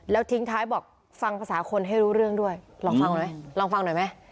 แล้วทิ้งท้ายบอกฟังภาษาคนให้รู้เรื่องด้วยลองฟังหน่อยลองฟังหน่อยไหม